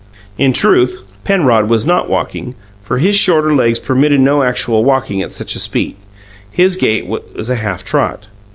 In truth, Penrod was not walking, for his shorter legs permitted no actual walking at such a speed; his gait was a half trot.